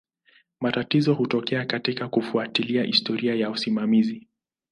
Matatizo hutokea katika kufuatilia historia ya usimamizi.